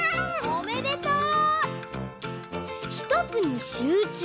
おめでとう！